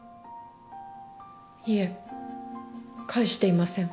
いえ返していません。